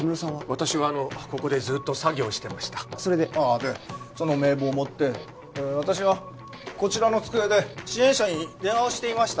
私はここでずっと作業してましたそれで？でその名簿を持って私はこちらの机で支援者に電話をしていました